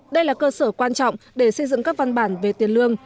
đây là cơ sở quan trọng để xây dựng các văn bản về tiền lương